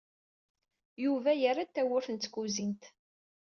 Yuba yerra-d tawwurt n tkuzint.